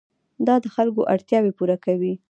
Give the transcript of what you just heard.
دا د خلکو اړتیاوې پوره کوي.